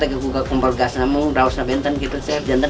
jadi kita selalu mengawasi air dengan gas